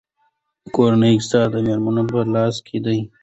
کورنۍ اقتصاد د میرمنو په لاس کې دی.